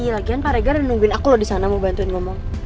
lagian pak regan udah nungguin aku loh disana mau bantuin ngomong